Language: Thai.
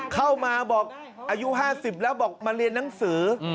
เข้ามาบอกอายุ๕๐แล้วบอกมาเรียนหนังสือ